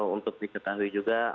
untuk diketahui juga